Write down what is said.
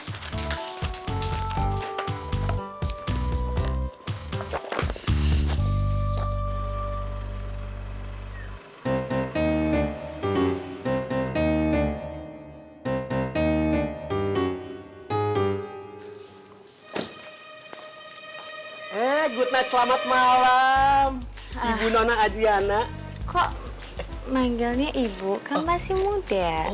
hai hai hai eh good night selamat malam ibu nona adriana kok manggelnya ibu kan masih muda